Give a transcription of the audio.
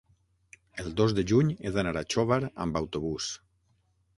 El dos de juny he d'anar a Xóvar amb autobús.